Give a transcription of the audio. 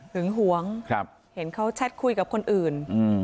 หึงหวงเห็นเขาแชทคุยกับคนอื่น